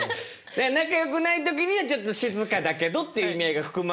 仲よくない時にはちょっと静かだけどっていう意味合いが含まれるってことだよね。